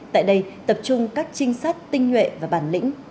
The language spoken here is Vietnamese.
tại đây tập trung các trinh sát tinh nhuệ và bản lĩnh